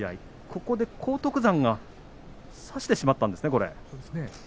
ここで荒篤山が差してしまったんですね。